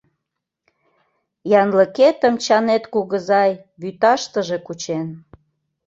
Янлыкетым Чанет кугызай вӱташтыже кучен.